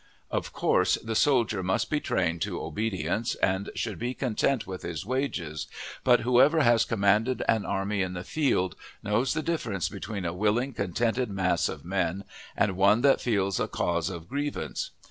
Of course, the soldier must be trained to obedience, and should be "content with his wages;" but whoever has commanded an army in the field knows the difference between a willing, contented mass of men, and one that feels a cause of grievance.